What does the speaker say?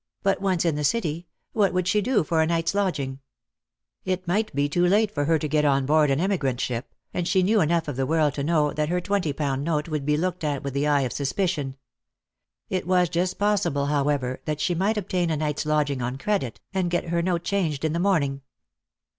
But once in the City, what would she do for a night's lodging P It might be too late for her to get on board an emi grant ship, and she knew enough of the world to know that her twenty pound note would be looked at with the eye of suspicion. It was just possible, however, that she might obtain a night's lodging on credit, and get her note changed in the morning.